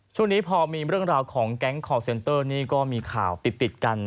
ช่วงนี้พอมีเรื่องราวของแก๊งคอร์เซ็นเตอร์นี่ก็มีข่าวติดกัน